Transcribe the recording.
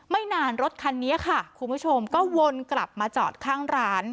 ไม่นานรถคันนี้ค่ะคุณผู้ชมก็วนกลับมาจอดข้างร้าน